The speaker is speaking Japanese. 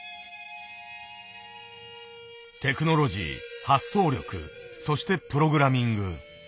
テクノロジー発想力そしてプログラミング。